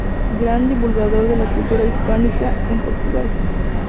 Gran divulgador de la cultura hispánica en Portugal.